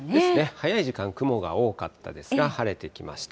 早い時間、雲が多かったですが、晴れてきました。